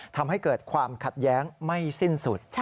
ทำให้เกิดความขัดแย้งไม่สิ้นสุด